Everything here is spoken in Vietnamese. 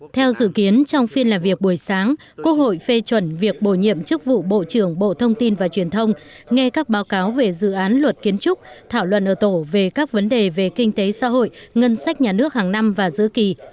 theo dự kiến trong phiên làm việc buổi sáng quốc hội phê chuẩn việc bổ nhiệm chức vụ bộ trưởng bộ thông tin và truyền thông nghe các báo cáo về dự án luật kiến trúc thảo luận ở tổ về các vấn đề về kinh tế xã hội ngân sách nhà nước hàng năm và giữa kỳ